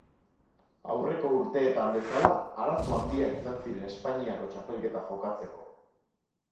Aurreko urteetan bezala arazo handiak izan ziren Espainiako Txapelketa jokatzeko.